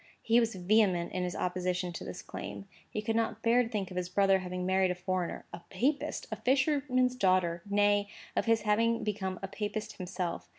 He was vehement in his opposition to this claim. He could not bear to think of his brother having married a foreigner—a papist, a fisherman's daughter; nay, of his having become a papist himself.